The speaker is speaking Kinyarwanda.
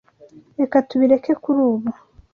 Reka tubireke kuri ubu.